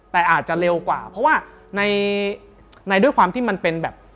แต่อาจจะเร็วกว่าเพราะว่าในด้วยความที่มันเป็นแบบ